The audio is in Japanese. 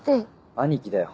兄貴だよ。